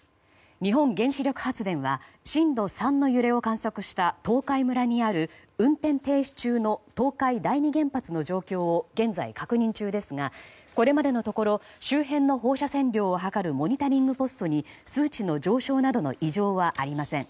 日本原子力発電は震度３の揺れを観測した東海村にある運転停止中の東海第二原発の状況を現在、確認中ですがこれまでのところ周辺の放射線量を測るモニタリングポストに数値の上昇などの異常はありません。